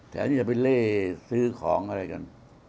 แต่อันนี้จะไปเล่ซื้อของอะไรกัน